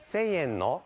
１，０００円の。